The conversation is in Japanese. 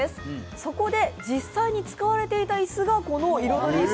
そこで実際に使われていたイスがこの「彩りイス」